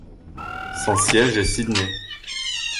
Son siège est Sidney.